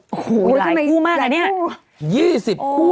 โอ้โหหลายคู่มากหลายคู่